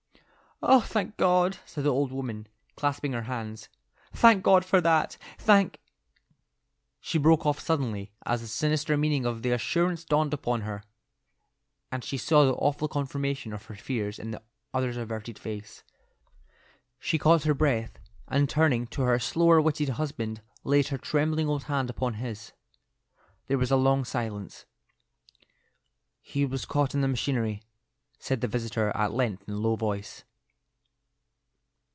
"Oh, thank God!" said the old woman, clasping her hands. "Thank God for that! Thank—" She broke off suddenly as the sinister meaning of the assurance dawned upon her and she saw the awful confirmation of her fears in the other's averted face. She caught her breath, and turning to her slower witted husband, laid her trembling old hand upon his. There was a long silence. "He was caught in the machinery," said the visitor at length in a low voice.